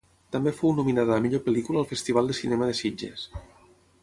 També fou nominada a millor pel·lícula al Festival de Cinema de Sitges.